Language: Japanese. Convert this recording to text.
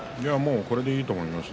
これでいいと思います。